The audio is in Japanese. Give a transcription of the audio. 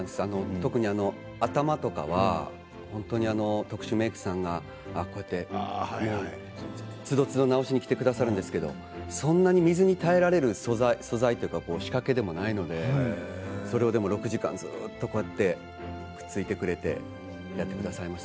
頭なんかは特殊メークさんが、つどつど直しに来てくださるんですけどそんなに水に耐えられる素材というか、仕掛けでもないのでそれを６時間ずっとこうやってくっついてくれてやってくださいました。